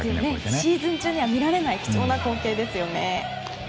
シーズン中には見られない貴重な光景ですよね。